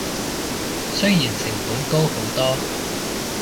雖然成本高好多